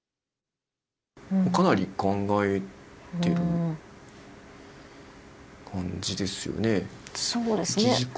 かなり考えてる感じですよね。